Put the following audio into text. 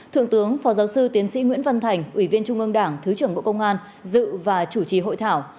thượng tướng phó giáo sư tiến sĩ nguyễn văn thành ủy viên trung ương đảng thứ trưởng bộ công an dự và chủ trì hội thảo